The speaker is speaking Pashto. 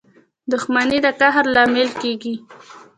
• دښمني د قهر لامل کېږي.